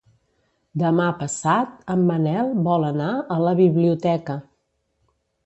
Demà passat en Manel vol anar a la biblioteca.